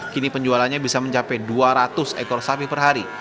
kini penjualannya bisa mencapai dua ratus ekor sapi per hari